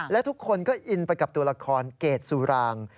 และทุกคนก็อินไปกับตัวละครเกรดสุราง